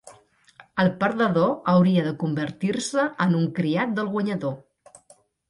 El perdedor hauria de convertir-se en un criat del guanyador.